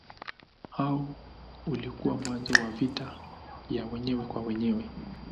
Huo ulikuwa mwanzo wa vita ya wenyewe kwa wenyewe.